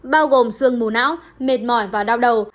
bao gồm sương mù não mệt mỏi và đau đầu